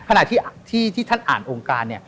ขณะที่ท่านอ่านองค์การ